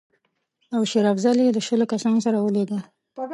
او شېر افضل یې له شلو کسانو سره ولېږه.